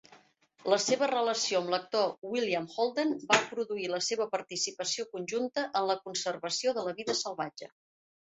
La seva relació amb l'actor William Holden va produir la seva participació conjunta en la conservació de la vida salvatge.